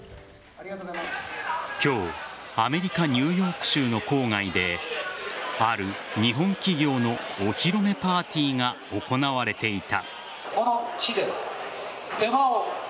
今日アメリカ・ニューヨーク州の郊外である日本企業のお披露目パーティーが行われていた。